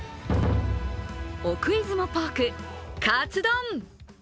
奥出雲ポークカツ丼。